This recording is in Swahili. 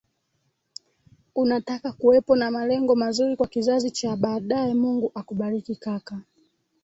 unataka kuwepo na malengo mazuri kwa kizazi cha baadae Mungu akubariki kaka